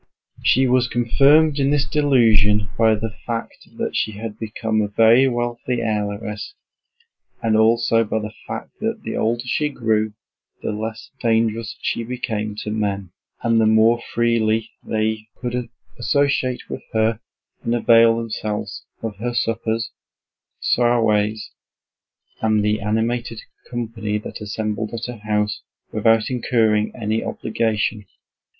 She was confirmed in this delusion by the fact that she had become a very wealthy heiress and also by the fact that the older she grew the less dangerous she became to men, and the more freely they could associate with her and avail themselves of her suppers, soirees, and the animated company that assembled at her house, without incurring any obligation.